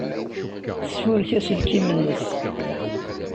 Tesfurek aselkim-nnes.